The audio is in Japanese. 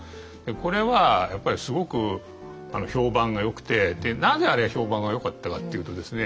これはやっぱりすごく評判がよくてなぜあれが評判がよかったかっていうとですね